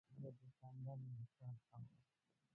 زه د سندرو ریکارډ اورم.